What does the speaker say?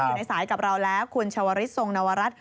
อยู่ในสายกับเราแล้วคุณชวริสทรงนวรัฐ